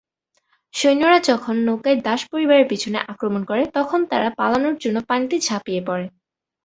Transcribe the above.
সৈন্যরা যখন নৌকায় দাস পরিবারের পিছনে আক্রমণ করে, তখন তারা পালানোর জন্য পানিতে ঝাঁপিয়ে পড়ে।